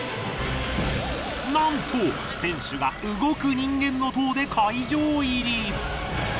なんと選手が動く人間の塔で会場入り。